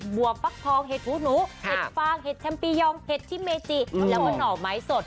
บัวฟักทองเห็ดหูหนูเห็ดฟางเห็ดแชมปิยองเห็ดที่เมจิแล้วก็หน่อไม้สด